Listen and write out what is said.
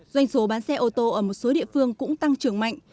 doanh số bán xe ô tô ở một số địa phương cũng tăng trưởng mạnh